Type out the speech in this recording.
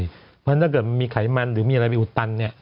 เพราะฉะนั้นถ้าเกิดมีไขมันหรือมีอะไรไปอุดตันเนี่ย